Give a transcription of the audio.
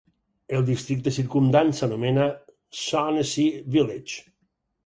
El districte circumdant s'anomena Shaughnessy Village.